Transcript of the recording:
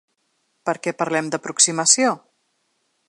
Per què parlem d’aproximació?